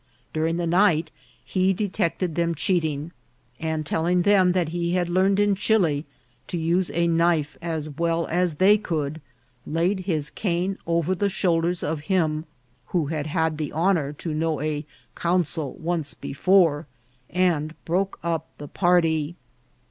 During the night he detected them cheating ; and telling them that he had learned in Chili to use a knife as well as they could, laid his cane over the shoulders of him who had had the honour to know a consul once before, and broke up the party.